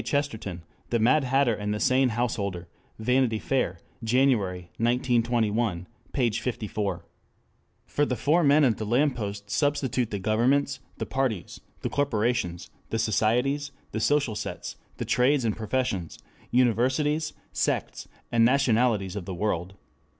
Chesterton, "The Mad Hatter and the Sane Householder," Vanity Fair, January, 1921, p. 54] For the four men at the lamp post substitute the governments, the parties, the corporations, the societies, the social sets, the trades and professions, universities, sects, and nationalities of the world.